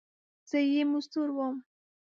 زه یې مزدور وم !